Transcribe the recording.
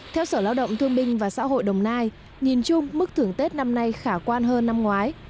theo sở lao động thương binh và xã hội đồng nai nhìn chung mức thưởng tết năm nay khả quan hơn năm ngoái